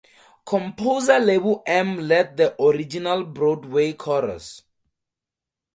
Composer Lebo M led the original Broadway chorus.